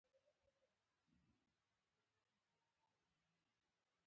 مجرمان به وهل کېدل یا به اعدامېدل.